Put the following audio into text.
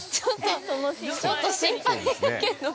◆ちょっと心配だけど。